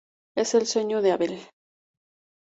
Es el sueño de Abel.